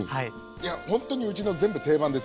いやほんとにうちの全部定番ですよ。